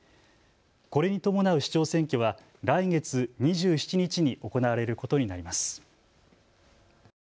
これに伴う市長選挙は来月２７日に行われることになります。